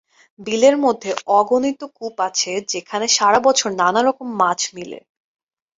বিলের মধ্যে অগণিত কূপ আছে যেখানে সারা বছর নানারকম মাছ মিলে।